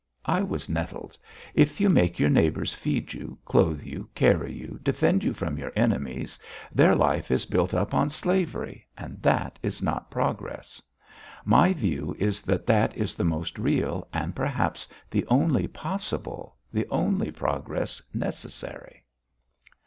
I was nettled. "If you make your neighbours feed you, clothe you, carry you, defend you from your enemies, their life is built up on slavery, and that is not progress. My view is that that is the most real and, perhaps, the only possible, the only progress necessary."